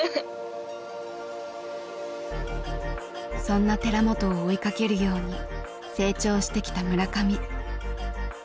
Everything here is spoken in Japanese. そんな寺本を追いかけるように成長してきた村上。